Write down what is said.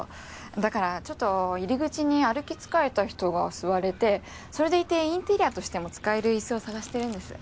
だからちょっと入り口に歩き疲れた人が座れてそれでいてインテリアとしても使えるイスを探してるんです。